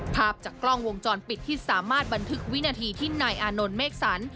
ภาพจากกล้องวงจรปิดที่สามารถบันทึกวินาทีที่นายอานนท์เมฆสัน